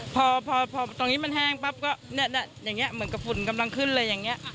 พอตรงนี้มันแห้งปั๊บก็อย่างนี้เหมือนกับฝุ่นกำลังขึ้นเลยอย่างนี้